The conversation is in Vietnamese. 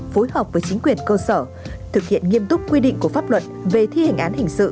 phối hợp với chính quyền cơ sở thực hiện nghiêm túc quy định của pháp luật về thi hình án hình sự